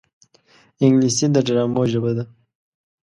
انګلیسي د ډرامو ژبه ده